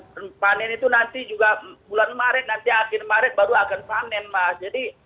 dan panen itu nanti juga bulan maret nanti akhir maret baru akan panen mas